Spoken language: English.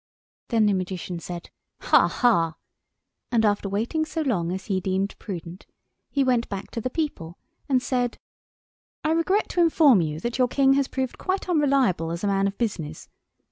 Then the Magician said "Ha, ha!" and, after waiting so long as he deemed prudent, he went back to the people, and said— "I regret to inform you that your King has proved quite unreliable as a man of business.